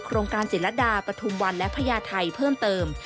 โรงการศิลดาปฐุมวันและพญาไทยเพิ่มเติม